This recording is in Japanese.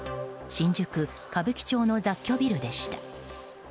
新宿・歌舞伎町の雑居ビルでした。